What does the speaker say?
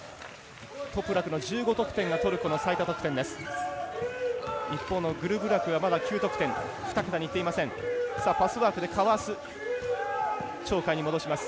トプラクの１５得点がトルコの最多得点です。